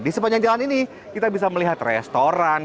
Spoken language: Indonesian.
di sepanjang jalan ini kita bisa melihat restoran